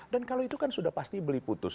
dan kalau itu kan sudah pasti beli putus